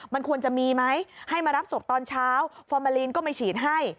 มันควรจะมีไหมให้มารับศพตอนเช้าฟอร์มาลีนก็ไม่ฉีดให้